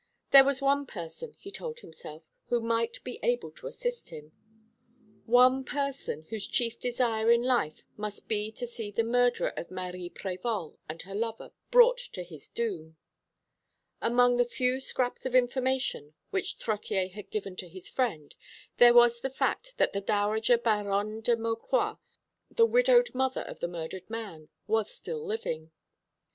There was one person, he told himself, who might be able to assist him one person whose chief desire in life must be to see the murderer of Marie Prévol and her lover brought to his doom. Among the few scraps of information which Trottier had given to his friend there was the fact that the dowager Baronne de Maucroix, the widowed mother of the murdered man, was still living.